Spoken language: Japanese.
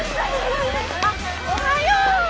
あっおはよう！